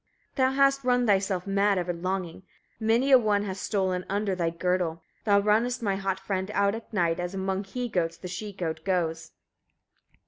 45. Thou hast run thyself mad, ever longing; many a one has stolen under thy girdle. Thou runnest, my hot friend, out at nights, as among he goats, the she goat goes.